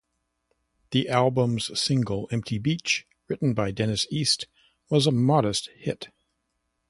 The album's single "Empty Beach", written by Dennis East, was a modest hit.